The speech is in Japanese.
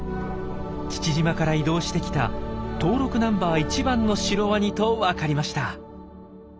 父島から移動してきた登録ナンバー１番のシロワニとわかりました。